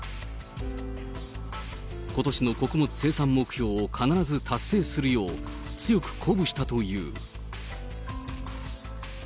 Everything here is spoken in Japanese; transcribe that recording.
ことしの穀物生産目標を必ず達成するよう、強く鼓舞したという。